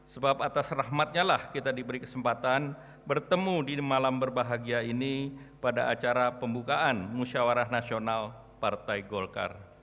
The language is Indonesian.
sebab atas rahmatnya lah kita diberi kesempatan bertemu di malam berbahagia ini pada acara pembukaan musyawarah nasional partai golkar